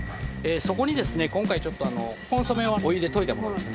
そこにですね今回ちょっとコンソメをお湯で溶いたものですね。